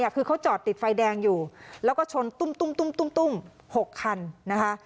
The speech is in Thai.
คือเขาจอดติดไฟแดงอยู่แล้วก็ชนตุ้ม๖คันนะคะ